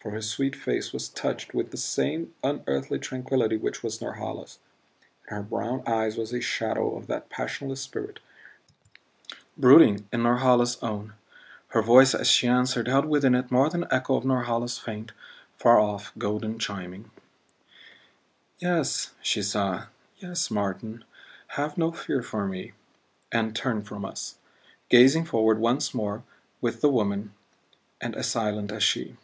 For her sweet face was touched with that same unearthly tranquillity which was Norhala's; in her brown eyes was a shadow of that passionless spirit brooding in Norhala's own; her voice as she answered held within it more than echo of Norhala's faint, far off golden chiming. "Yes," she sighed; "yes, Martin have no fear for me " And turned from us, gazing forward once more with the woman and as silent as she.